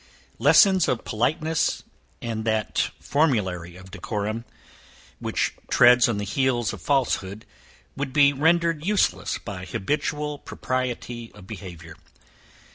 Lessons of politeness, and that formulary of decorum, which treads on the heels of falsehood, would be rendered useless by habitual propriety of behaviour.